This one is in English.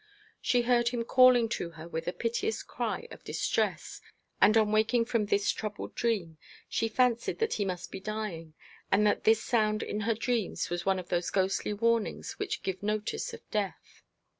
She heard him calling to her with a piteous cry of distress, and on waking from this troubled dream she fancied that he must be dying, and that this sound in her dreams was one of those ghostly warnings which give notice of death.